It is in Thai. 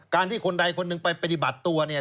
ที่คนใดคนหนึ่งไปปฏิบัติตัวเนี่ย